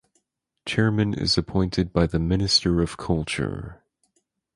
Chairman is appointed by the Minister of Culture.